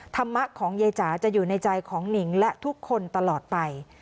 ธรรมะของยายจ๋าจะอยู่ในใจของหนิงและทุกคนตลอดไป